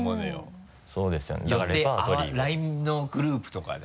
ＬＩＮＥのグループとかで。